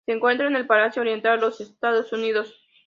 Se encuentra en el Pacífico oriental: los Estados Unidos.